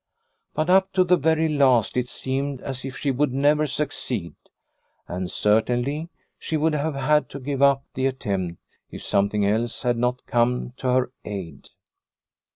But up to the very last it seemed as if she would never succeed, and certainly she would have had to give up the attempt if something else had not come to her aid.